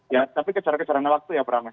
ya tapi kejar kejaran waktu ya bram